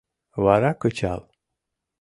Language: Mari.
Вара кычал!